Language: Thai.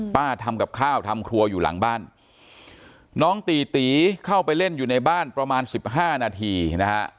ทำกับข้าวทำครัวอยู่หลังบ้านน้องตีตีเข้าไปเล่นอยู่ในบ้านประมาณสิบห้านาทีนะฮะ